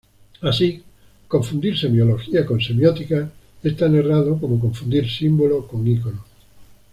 Así, confundir semiología con semiótica es tan errado como confundir símbolo con icono.